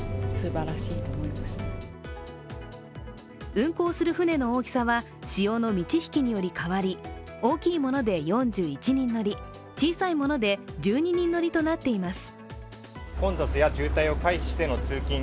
運航する船の大きさは潮の満ち引きにより変わり大きいもので４１人乗り、小さいもので１２人乗りとなっています。